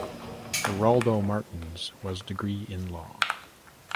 Geraldo Martins was degree in Law.